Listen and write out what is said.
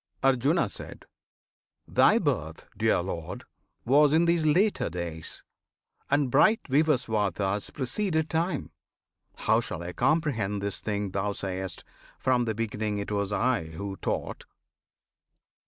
Arjuna. Thy birth, dear Lord, was in these later days, And bright Vivaswata's preceded time! How shall I comprehend this thing thou sayest, "From the beginning it was I who taught?"